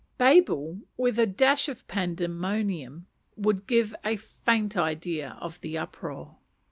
Babel, with a dash of Pandemonium, will give a faint idea of the uproar.